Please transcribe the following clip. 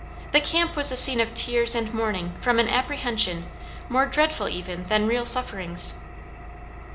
The camp was the scene of tears and mourning from an apprehension more dreadful even than real sufferings.